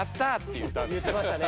言ってましたね。